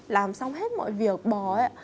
làm xong hết mọi việc bỏ ấy ạ